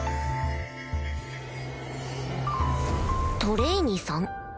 トレイニーさん？